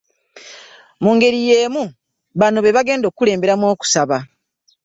Mu ngeri y'emu bano be bagenda okukulemberamu okusaba